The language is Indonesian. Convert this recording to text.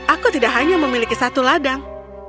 aku tidak hanya memiliki satu ladang